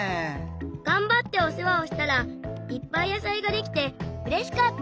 がんばっておせわをしたらいっぱい野さいができてうれしかった！